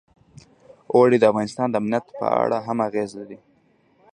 اوړي د افغانستان د امنیت په اړه هم اغېز لري.